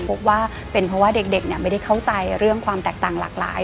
พบว่าเป็นเพราะว่าเด็กไม่ได้เข้าใจเรื่องความแตกต่างหลากหลาย